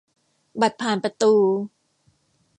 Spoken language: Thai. บัตรผ่านประตู